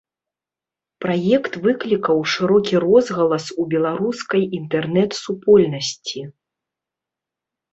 Праект выклікаў шырокі розгалас ў беларускай інтэрнэт-супольнасці.